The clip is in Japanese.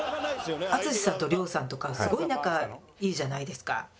淳さんと亮さんとかすごい仲いいじゃないですか。